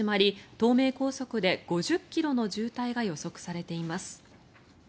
東名高速で５０ｋｍの渋滞が予測されています。